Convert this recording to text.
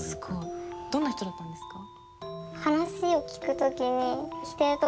どんな人だったんですか？